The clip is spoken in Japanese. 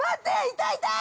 痛い痛い！